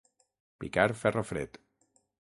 Picar ferro fred.